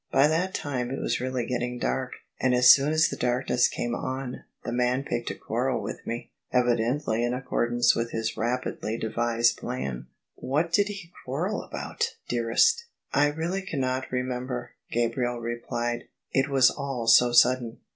By that time it really was getting dark: and as soon as the darkness came on the man picked a quarrel with me, evidently in accordance with his rapidly devised plan." "What did he quarrel about, dearest?" "I really cannot remember," Gabriel replied: "it was all so sudden.